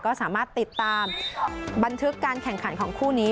ก็สามารถติดตามบันทึกการแข่งขันของคู่นี้